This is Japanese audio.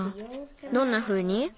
どんなふうに？